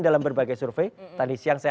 dalam berbagai survei tadi siang saya